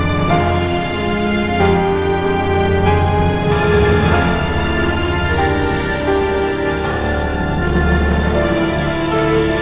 asak biru akan ada di